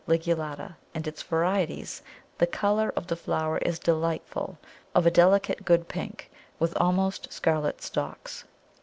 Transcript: ligulata_ and its varieties, the colour of the flower is delightful, of a delicate good pink, with almost scarlet stalks.